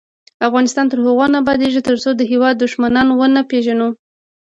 افغانستان تر هغو نه ابادیږي، ترڅو د هیواد دښمنان ونه پیژنو.